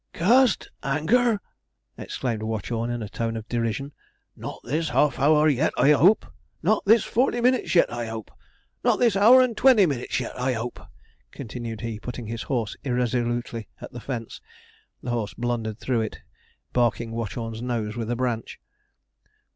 'C a s t anchor!' exclaimed Watchorn, in a tone of derision 'not this half hour yet, I hope! not this forty minnits yet, I hope; not this hour and twenty minnits yet, I hope!' continued he, putting his horse irresolutely at the fence. The horse blundered through it, barking Watchorn's nose with a branch.